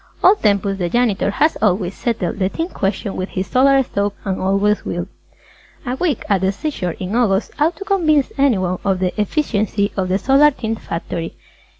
Old Tempus the Janitor has always settled the Tint question with his Solar Stove and always will. A week at the seashore in August ought to convince anyone of the efficiency of the Solar Tint Factory.